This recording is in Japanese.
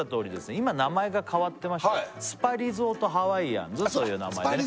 今名前が変わってましてスパリゾートハワイアンズという名前でね